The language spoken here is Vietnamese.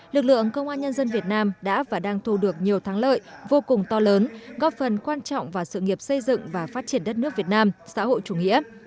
lực lượng công an nhân dân việt nam đã và đang thu được nhiều thắng lợi vô cùng to lớn góp phần quan trọng vào sự nghiệp xây dựng và phát triển đất nước việt nam xã hội chủ nghĩa